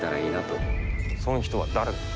そん人は誰だ？